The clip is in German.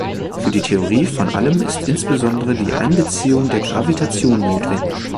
Für die Theorie von Allem ist insbesondere die Einbeziehung der Gravitation notwendig.